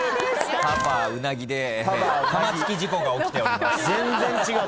「たばー」「うなぎ」で玉突き事故が起きております。